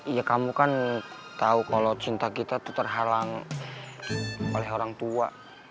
iya kamu kan tau kalo cinta kita tuh terhalang oleh orang tua